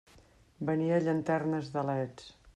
Venia llanternes de leds.